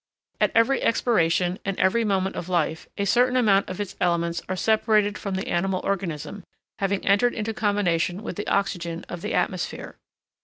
At every expiration and every moment of life, a certain amount of its elements are separated from the animal organism, having entered into combination with the oxygen of the atmosphere.